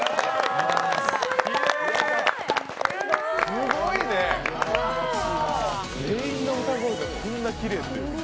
すごいね、全員の歌声がこんなにきれいって。